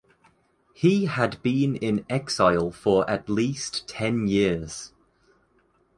He had been in exile for at least ten years.